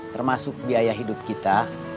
termasuk biaya hidup kita